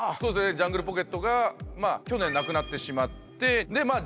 ジャングルポケットが去年亡くなってしまってでまあ